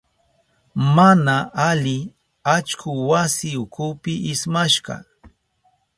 Mana ali allku wasi ukupi ismashka.